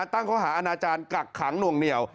ข้อหาอาณาจารย์กักขังหน่วงเหนียว